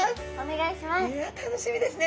いや楽しみですね。